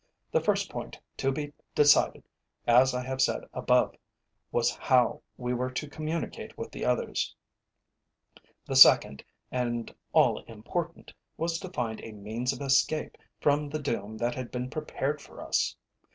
The first point to be decided, as I have said above, was how we were to communicate with the others; the second and all important, was to find a means of escape from the doom that had been prepared for us.